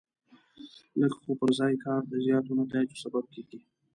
لږ خو پر ځای کار د زیاتو نتایجو سبب کېږي.